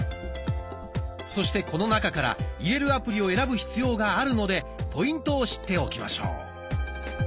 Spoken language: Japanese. そしてこの中から入れるアプリを選ぶ必要があるのでポイントを知っておきましょう。